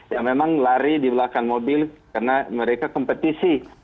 yang memang lari di belakang mobil karena mereka kompetisi